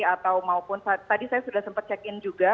atau maupun tadi saya sudah sempat check in juga